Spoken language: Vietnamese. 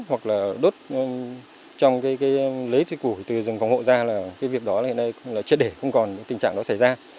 hoặc là đốt trong lấy củi từ rừng phòng hộ ra là việc đó hiện nay chưa để không còn tình trạng đó xảy ra